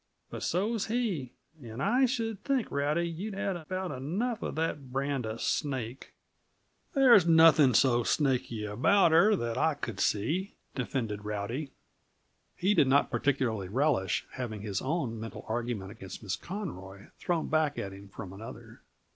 But so's he; and I should think, Rowdy, you'd had about enough uh that brand uh snake." "There's nothing so snaky about her that I could see," defended Rowdy. He did not particularly relish having his own mental argument against Miss Conroy thrown back at him from another.